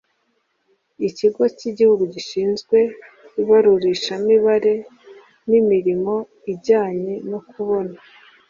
Ikigo cy igihugu gishinzwe ibarurishamibare n imirimo ijyanye no kubona